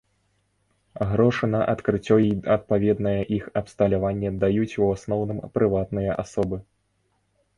Грошы на адкрыццё і адпаведнае іх абсталяванне даюць у асноўным прыватныя асобы.